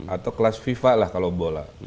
atau kelas fifa lah kalau bola